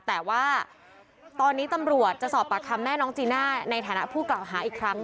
แต่ว่าตอนนี้ตำรวจจะสอบปากคำแม่น้องจีน่าในฐานะผู้กล่าวหาอีกครั้ง